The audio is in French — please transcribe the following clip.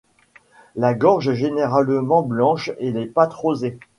La gorge est généralement blanche et les pattes rosées.